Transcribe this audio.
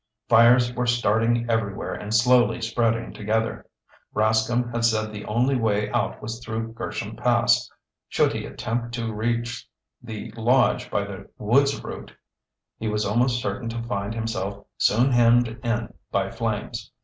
Fires were starting everywhere and slowly spreading together. Rascomb had said the only way out was through Gersham Pass. Should he attempt to reach the lodge by the woods route, he was almost certain to find himself soon hemmed in by flames.